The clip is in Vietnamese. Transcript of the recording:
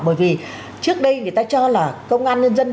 bởi vì trước đây người ta cho là công an nhân dân